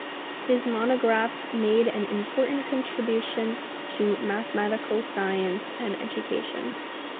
His monographs made an important contribution to mathematical science and education.